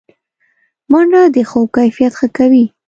منډه د خوب کیفیت ښه کوي